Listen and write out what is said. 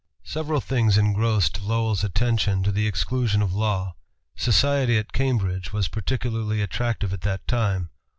Several things engrossed Lowell's attention to the exclusion of law. Society at Cambridge was particularly attractive at that time.